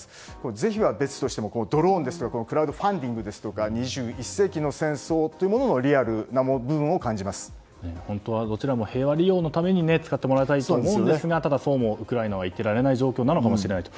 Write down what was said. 是非は別としてもドローンですとかクラウドファンディングですとか２１世紀の戦争というものの本当はどちらも平和利用のために使ってもらいたいと思うんですがただ、そうもウクライナはいっていられない状況なのかもしれないと。